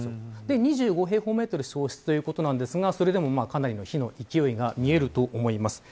２５平方メートル焼失ということですがそれでもかなりの火の勢いが見えると思います。